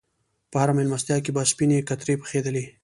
په هره میلمستیا کې به سپینې کترې پخېدلې.